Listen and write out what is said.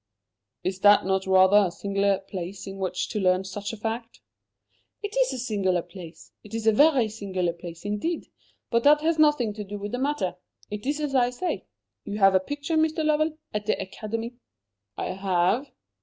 "Is that not rather a singular place in which to learn such a fact?" "It is a singular place. It is a very singular place, indeed. But that has nothing to do with the matter. It is as I say. You have a picture, Mr. Lovell, at the Academy?" "I have."